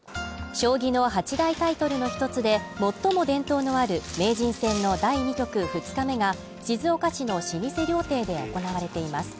将棋の八大タイトルの一つで、最も伝統のある名人戦の第２局２日目が静岡市の老舗料亭で行われています。